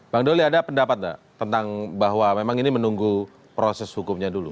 bang doli ada pendapat nggak tentang bahwa memang ini menunggu proses hukumnya dulu